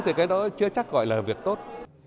thì cái đó chưa chắc gọi là việc tốt